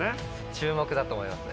注目だと思いますね